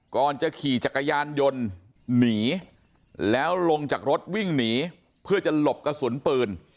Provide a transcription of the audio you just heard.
ก่อนจะขี่จักรยานยนต์หนีแล้วลงจากรถวิ่งหนีเพื่อจะหลบกระสุนปืน